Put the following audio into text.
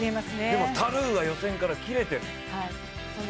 でも、タルーが予選からキレてる。